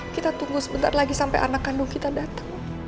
kita tunggu sebentar lagi sampe anak kandung kita dateng